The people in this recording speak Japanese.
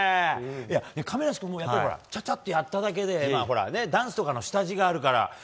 亀梨君もちゃちゃっとやっただけでダンスとかの下地があるから。